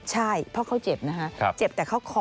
ใช่เพราะเขาเจ็บนะคะเจ็บแต่เขาคอ